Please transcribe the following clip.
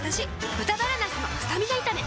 「豚バラなすのスタミナ炒め」